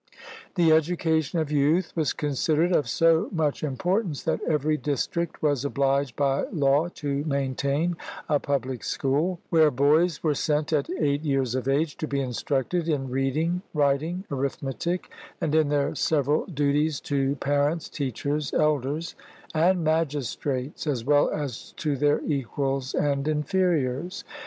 The education of youth was considered of so much importance that every district was obliged by law to maintain a public school, where boys were sent at eight years of age to be instructed in reading, writing, arith metic, and in their several duties to parents, teachers, elders, and magistrates, as well as to their equals and inferiors.